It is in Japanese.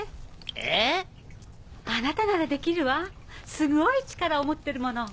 えっ⁉あなたならできるわすごい力を持ってるもの。